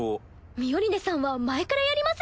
ミオリネさんは前からやります。